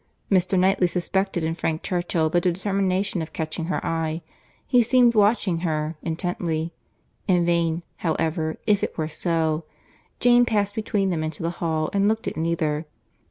Mr. Knightley suspected in Frank Churchill the determination of catching her eye—he seemed watching her intently—in vain, however, if it were so—Jane passed between them into the hall, and looked at neither.